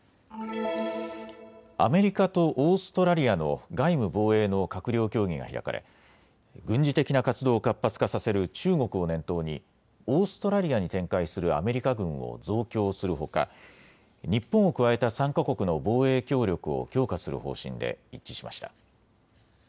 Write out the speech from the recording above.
アメリカとオーストラリアの外務・防衛の閣僚協議が開かれ軍事的な活動を活発化させる中国を念頭にオーストラリアに展開するアメリカ軍を増強するほか日本を加えた３か国の防衛協力を強化する方針で一致しました。